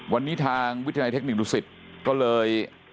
วันนี้ทางวิทยาลัยเทคนิคดุสิตก็เลย